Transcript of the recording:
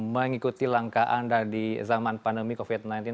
mengikuti langkah anda di zaman pandemi covid sembilan belas